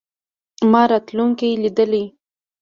ما راتلونکې لیدلې.